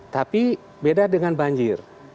tapi beda dengan banjir